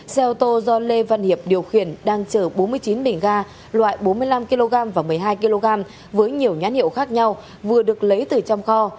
xe ô tô do lê văn hiệp điều khiển đang chở bốn mươi chín bình ga loại bốn mươi năm kg và một mươi hai kg với nhiều nhãn hiệu khác nhau vừa được lấy từ trong kho